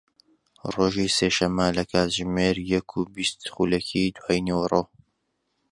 ڕۆژی سێشەممە لە کاتژمێر یەک و بیست خولەکی دوای نیوەڕۆ